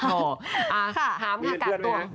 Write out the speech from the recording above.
อ๋อค่ะถามค่ะกากตัว